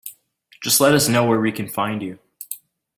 Just let us know where we can find you.